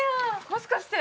もしかして。